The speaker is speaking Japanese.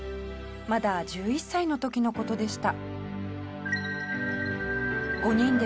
まだ１１歳の時の事でした。